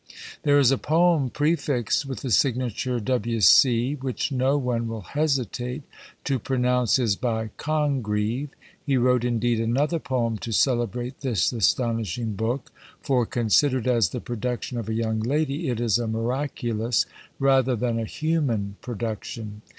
There is a poem prefixed with the signature W.C. which no one will hesitate to pronounce is by Congreve; he wrote indeed another poem to celebrate this astonishing book, for, considered as the production of a young lady, it is a miraculous, rather than a human, production.